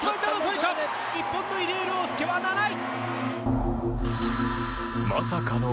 日本の入江陵介は７位。